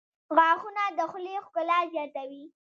• غاښونه د خولې ښکلا زیاتوي.